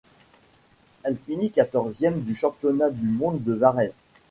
Elle finit quatorzième du championnat du monde de Varèse.